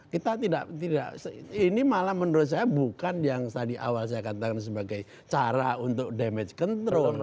kita tidak ini malah menurut saya bukan yang tadi awal saya katakan sebagai cara untuk damage control